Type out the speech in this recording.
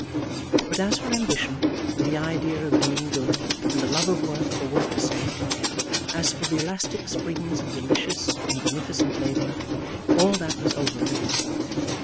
But as for ambition, and the idea of doing good, and the love of work for work's sake, as for the elastic springs of delicious and beneficent labour, all that was over for him.